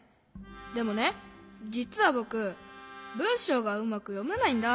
でもねじつはぼくぶんしょうがうまくよめないんだ。